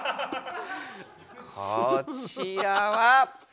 こちらは。